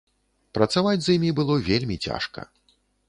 Працаваць з імі было вельмі цяжка.